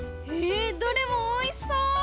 どれもおいしそう！